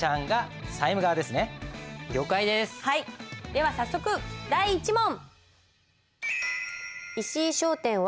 では早速第１問。